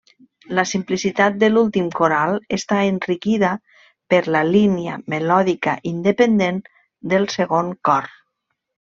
La simplicitat de l'últim coral està enriquida per la línia melòdica independent del segon cor.